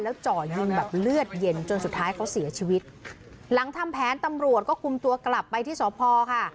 จ่อยิงแบบเลือดเย็นจนสุดท้ายเขาเสียชีวิตหลังทำแผนตำรวจก็คุมตัวกลับไปที่สพค่ะ